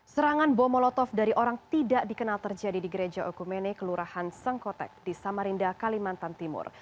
serangan bom molotov dari orang tidak dikenal terjadi di gereja okumene kelurahan sengkotek di samarinda kalimantan timur